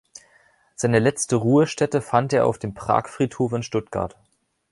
Seine letzte Ruhestätte fand er auf dem Pragfriedhof in Stuttgart.